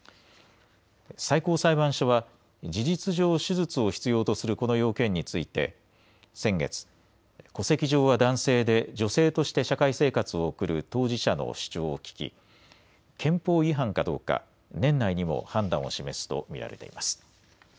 最高裁判所は事実上手術を必要とするこの要件について先月、戸籍上は男性で女性として社会生活を送る当事者の主張を聞き憲法違反かどうか年内にも判断を示すと見られています。